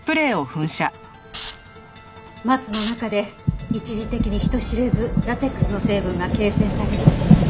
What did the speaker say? マツの中で一時的に人知れずラテックスの成分が形成される。